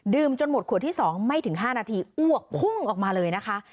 จนหมดขวดที่๒ไม่ถึง๕นาทีอ้วกพุ่งออกมาเลยนะคะ